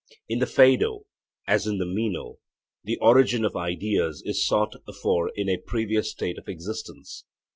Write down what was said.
In the Phaedo, as in the Meno, the origin of ideas is sought for in a previous state of existence.